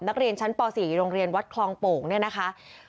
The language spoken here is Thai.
นักเรียนชั้นป๔โรงเรียนวัดคลองโป่งเนี่ยนะคะ